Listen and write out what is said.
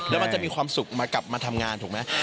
แล้วมันจะมีความสุขมากลับมาทำงานถูกไหม